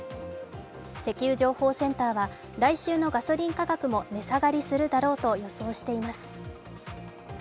石油情報センターは、来週のガソリン価格も値下がりするだろうと予想しています。